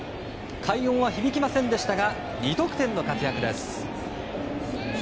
快音は響きませんでしたが２得点の活躍です。